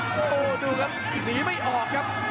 โอ้โหดูครับหนีไม่ออกครับ